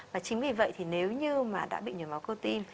và chính vì vậy thì nếu như mà đã bị nhồi máu cơ tim